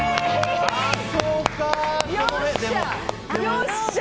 よっしゃ！